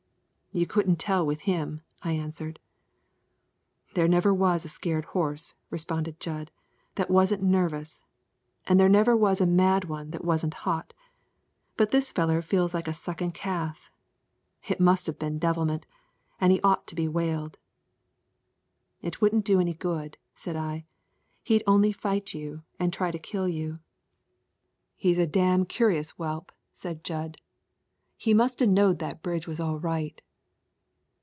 "You couldn't tell with him," I answered. "There never was a scared horse," responded Jud, "that wasn't nervous, an' there never was a mad one that wasn't hot. But this feller feels like a suckin' calf. It must have been devilment, an' he ought to be whaled." "It wouldn't do any good," said I; "he'd only fight you and try to kill you." "He's a dam' curious whelp," said Jud. "He must a knowed that the bridge was all right."